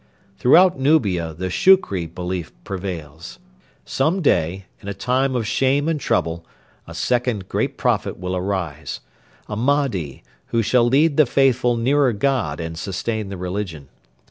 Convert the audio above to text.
Throughout Nubia the Shukri belief prevails: some day, in a time of shame and trouble, a second great Prophet will arise a Mahdi who shall lead the faithful nearer God and sustain the religion.